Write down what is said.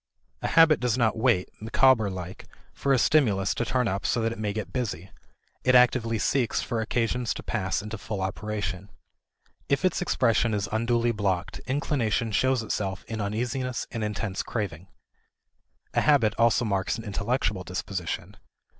A habit does not wait, Micawber like, for a stimulus to turn up so that it may get busy; it actively seeks for occasions to pass into full operation. If its expression is unduly blocked, inclination shows itself in uneasiness and intense craving. A habit also marks an intellectual disposition.